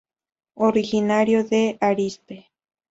Originario de Arizpe.